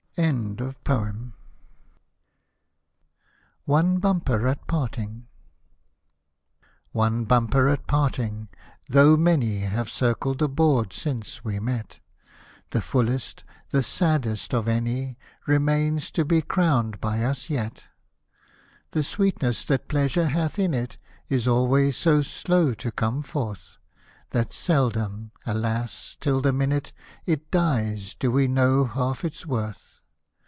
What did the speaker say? Hosted by Google ONE BUMPER AT PARTING 27 ONE BUMPER AT PARTING One bumper at parting !— though many Have circled the board since we met, The fullest, the saddest of any, Remains to be crowned by us yet. The sweetness that pleasure hath in it, Is always so slow to come forth, That seldom, alas, till the minute It dies, do we know half its worth.